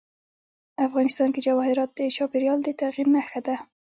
افغانستان کې جواهرات د چاپېریال د تغیر نښه ده.